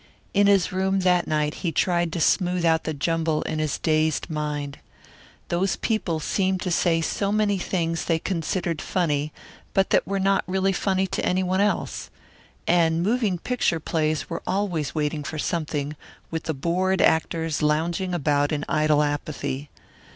In his room that night he tried to smooth out the jumble in his dazed mind. Those people seemed to say so many things they considered funny but that were not really funny to any one else. And moving picture plays were always waiting for something, with the bored actors lounging about in idle apathy.